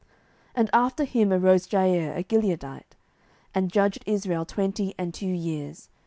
07:010:003 And after him arose Jair, a Gileadite, and judged Israel twenty and two years.